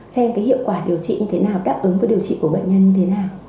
xem cái hiệu quả điều trị như thế nào đáp ứng với điều trị của bệnh nhân như thế nào